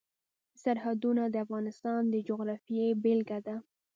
سرحدونه د افغانستان د جغرافیې بېلګه ده.